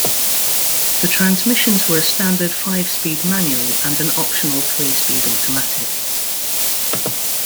The transmissions were a standard five-speed manual and an optional three-speed automatic.